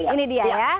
ini dia ya